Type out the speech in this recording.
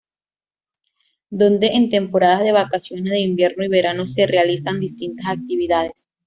Donde en temporadas de vacaciones de invierno y verano se realizan distintas actividades.